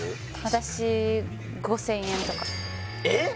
私５０００円とかえっ！？